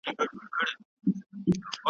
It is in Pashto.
تصور کولای سوای `